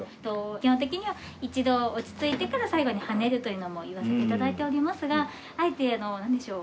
基本的には一度落ち着いてから最後にはねるというのも言わせて頂いておりますがあえてなんでしょう？